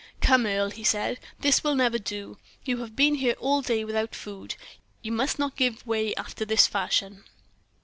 "Come, Earle," he said, "this will never do; you have been here all day without food. You must not give way after this fashion."